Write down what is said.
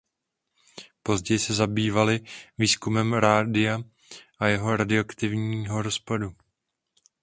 Později se zabývali výzkumem radia a jeho radioaktivního rozpadu.